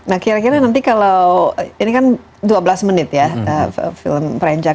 nah kira kira nanti kalau ini kan dua belas menit ya film prenjak